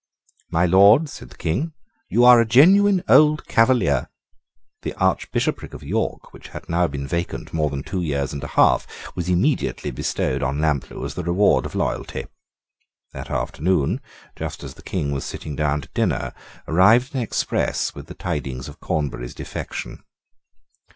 "My Lord," said the King, "you are a genuine old Cavalier." The archbishopric of York, which had now been vacant more than two years and a half, was immediately bestowed on Lamplugh as the reward of loyalty. That afternoon, just as the King was sitting down to dinner, arrived an express with the tidings of Cornbury's defection.